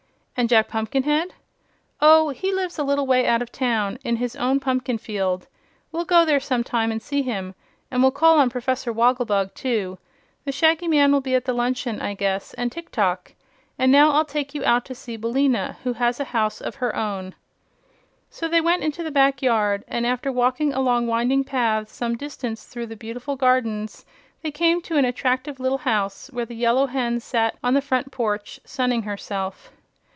"And Jack Pumpkinhead?" "Oh, he lives a little way out of town, in his own pumpkin field. We'll go there some time and see him, and we'll call on Professor Wogglebug, too. The Shaggy Man will be at the luncheon, I guess, and Tiktok. And now I'll take you out to see Billina, who has a house of her own." So they went into the back yard, and after walking along winding paths some distance through the beautiful gardens they came to an attractive little house where the Yellow Hen sat on the front porch sunning herself.